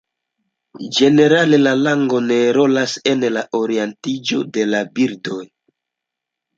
Ĝenerale, la lango ne rolas en la orientiĝo de la birdoj.